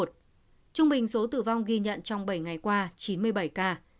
trung bình số tử vong ghi nhận trong bảy ngày qua chín mươi bảy ca